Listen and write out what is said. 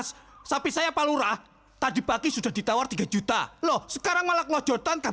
sampai jumpa di video selanjutnya